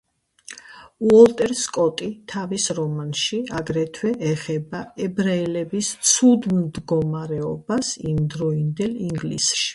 უოლტერ სკოტი თავის რომანში აგრეთვე ეხება ებრაელების ცუდ მდგომარეობას იმდროინდელ ინგლისში.